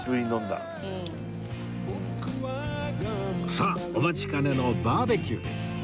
さあお待ちかねのバーベキューです